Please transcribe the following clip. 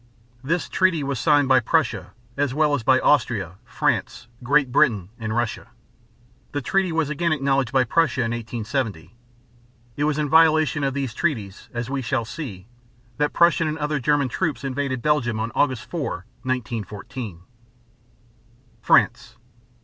This treaty was signed by Prussia as well as by Austria, France, Great Britain, and Russia. The treaty was again acknowledged by Prussia in 1870. It was in violation of these treaties, as we shall see, that Prussian and other German troops invaded Belgium on August 4, 1914. FRANCE.